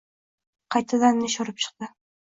qaytadan nish urib chiqdi.